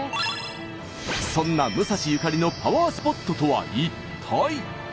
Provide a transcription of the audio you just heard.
そんな武蔵ゆかりのパワースポットとは一体。